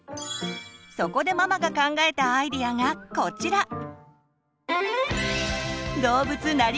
そこでママが考えたアイデアがこちら！